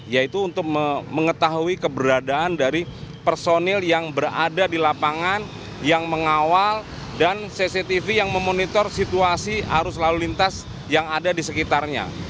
yaitu untuk mengetahui keberadaan dari personil yang berada di lapangan yang mengawal dan cctv yang memonitor situasi arus lalu lintas yang ada di sekitarnya